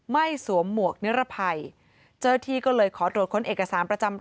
สวมหมวกนิรภัยเจ้าที่ก็เลยขอตรวจค้นเอกสารประจำ